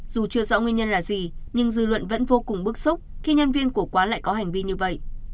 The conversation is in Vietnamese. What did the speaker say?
dù chưa rõ nguyên nhân là gì nhưng dư luận vẫn vô cùng bức xúc khi nhân viên của quán lại có hành vi như vậy